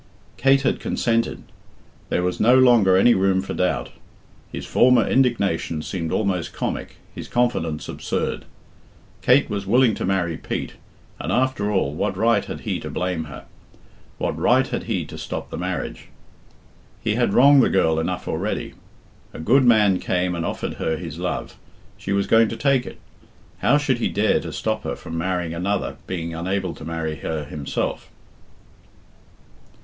Kate had consented. There was no longer any room for doubt. His former indignation seemed almost comic, his confidence absurd. Kate was willing to marry Pete, and after all, what right had he to blame her? What right had he to stop the marriage? He had wronged the girl enough already. A good man came and offered her his love. She was going to take it. How should he dare to stop her from marrying another, being unable to marry her himself?